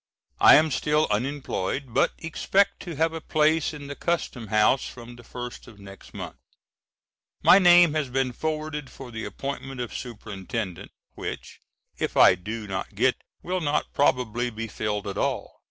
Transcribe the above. I am still unemployed, but expect to have a place in the Custom House from the first of next month. My name has been forwarded for the appointment of Superintendent, which, if I do not get, will not probably be filled at all.